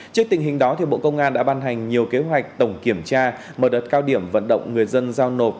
trước tình hình đó bộ công an đã ban hành nhiều kế hoạch tổng kiểm tra mở đợt cao điểm vận động người dân giao nộp